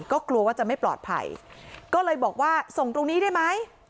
ก็กลัวว่าจะไม่ปลอดภัยก็เลยบอกว่าส่งตรงนี้ได้ไหม